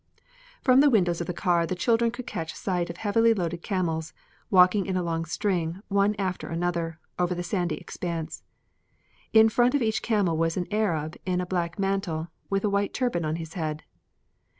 From the windows of the car the children could catch sight of heavily loaded camels, walking in a long string, one after another, over the sandy expanse. In front of each camel was an Arab in a black mantle, with a white turban on his head.